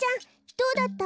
どうだった？